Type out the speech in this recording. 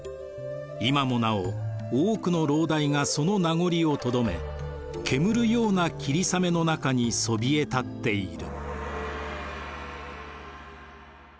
今もなお多くの楼台がその名残をとどめ煙るような霧雨の中にそびえたっている」。